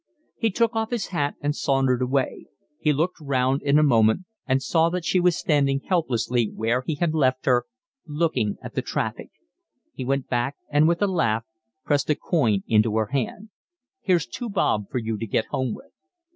He took off his hat and sauntered away. He looked round in a moment and saw that she was standing helplessly where he had left her, looking at the traffic. He went back and with a laugh pressed a coin into her hand. "Here's two bob for you to get home with."